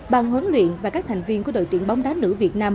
bàn huấn luyện và các thành viên của đội tuyển bóng đá nữ việt nam